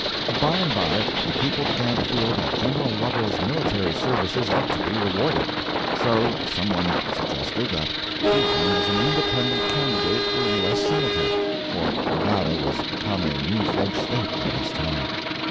By and by the people began to feel that General Lovel's military services ought to be rewarded. So some one suggested that he run as an independent candidate for U. S. Senator (for Nevada was become a new fledged State by this time).